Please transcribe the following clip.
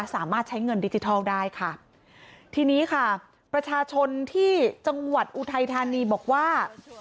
สามารถใช้เงินดิจิทัลได้ค่ะทีนี้ค่ะประชาชนที่จังหวัดอุทัยธานีบอกว่า